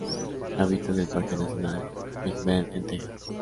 Habita en el Parque Nacional Big Bend en Texas.